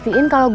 thank you pak